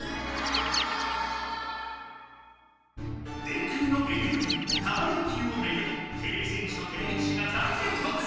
電空のエネルギータマ電Ｑをめぐりてれび戦士とてれび騎士が大げきとつ！